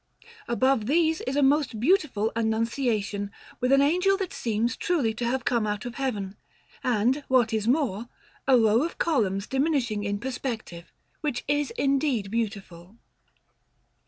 Above these is a most beautiful Annunciation, with an Angel that seems truly to have come out of Heaven; and, what is more, a row of columns diminishing in perspective, which is indeed beautiful.